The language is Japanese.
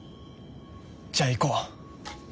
じゃあ行こう！